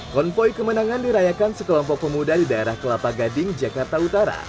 konvoy kemenangan dirayakan sekelompok pemuda di daerah kelapa gading jakarta utara